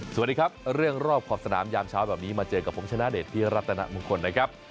สวัสดีครับเรื่องรอบขอบสนามยามเช้าแบบนี้มาเจอกับผมชนะเดชพิรัตนมงคลนะครับ